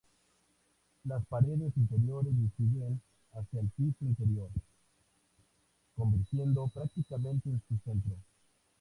Las paredes interiores descienden hacia el piso interior, convergiendo prácticamente en su centro.